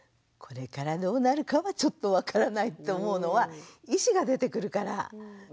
これからどうなるかはちょっと分からないと思うのは意思が出てくるから。